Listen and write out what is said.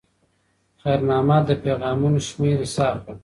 خیر محمد د پیغامونو شمېر حساب کړ.